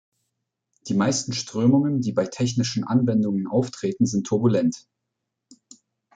Die meisten Strömungen, die bei technischen Anwendungen auftreten, sind turbulent.